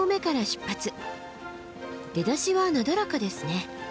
出だしはなだらかですね。